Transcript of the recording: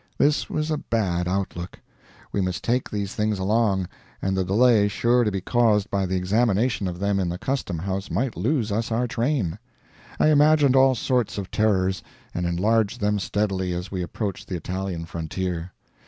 This was a bad outlook. We must take these things along, and the delay sure to be caused by the examination of them in the custom house might lose us our train. I imagined all sorts of terrors, and enlarged them steadily as we approached the Italian frontier.